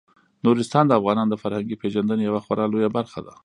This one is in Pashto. نورستان د افغانانو د فرهنګي پیژندنې یوه خورا لویه برخه ده.